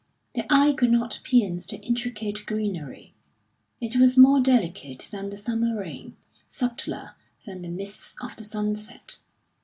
The eye could not pierce the intricate greenery; it was more delicate than the summer rain, subtler than the mists of the sunset.